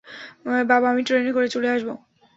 বাবা, আমি ট্রেনে করে চলে আসব।